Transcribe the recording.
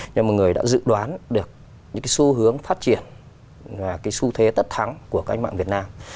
nhưng mà người đã dự đoán được những cái xu hướng phát triển và cái xu thế tất thắng của các anh mạng việt nam